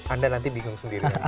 anda nanti bingung sendiri